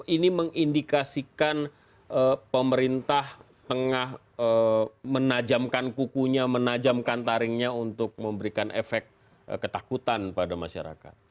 ini mengindikasikan pemerintah tengah menajamkan kukunya menajamkan taringnya untuk memberikan efek ketakutan pada masyarakat